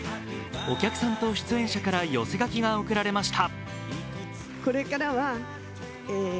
お客さんと出演者から寄せ書きが贈られました。